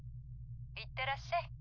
行ってらっしゃい。